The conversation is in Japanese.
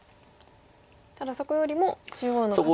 ただそこよりも中央の価値が。